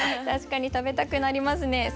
確かに食べたくなりますね。